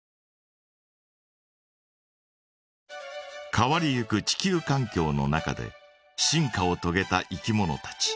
変わりゆく地球かん境の中で進化をとげたいきものたち。